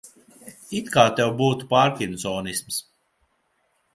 It kā tev būtu pārkinsonisms.